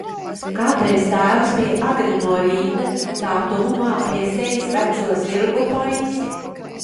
Kādreiz tēvs bija agri no rīta tā tuvumā piesējis veco zirgu Poisi.